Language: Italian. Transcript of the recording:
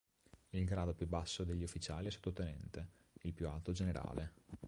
Il grado più basso degli ufficiali è sottotenente, il più alto generale.